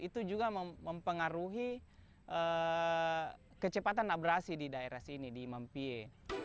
itu juga mempengaruhi kecepatan abrasi di daerah sini di mampie